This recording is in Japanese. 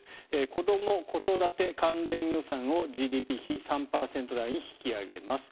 子ども・子育て関連予算をＧＤＰ比３％台に引き上げます。